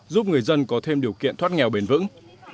giúp người dân có thêm điều kiện thoát nghèo bền vững